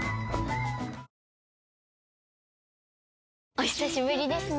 お久しぶりですね。